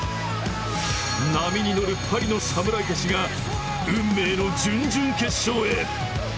波に乗るパリの侍たちが運命の準々決勝へ。